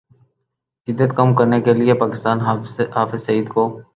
شدت کم کرنے کے لیے پاکستان حافظ سعید کو